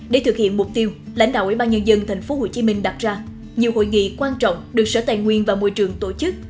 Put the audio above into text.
để thực hiện mục tiêu lãnh đạo ủy ban nhân dân tp hcm đặt ra nhiều hội nghị quan trọng được sở tài nguyên và môi trường tổ chức